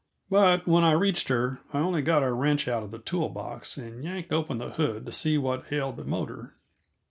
But when I reached her, I only got a wrench out of the tool box and yanked open the hood to see what ailed the motor.